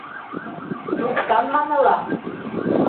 Уфтанманы ла.